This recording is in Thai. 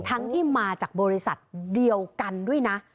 ทั้งที่มาจากบริษัทเดียวกันด้วยนะ